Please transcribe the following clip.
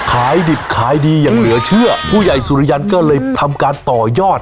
ขายดิบขายดีอย่างเหลือเชื่อผู้ใหญ่สุริยันก็เลยทำการต่อยอด